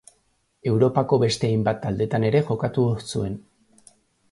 Europako beste hainbat taldetan ere jokatu zuen.